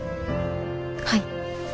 はい。